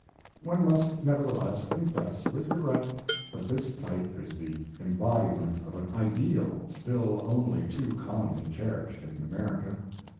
One must, nevertheless, confess with regret that this type is the embodiment of an "ideal" still only too commonly cherished in America.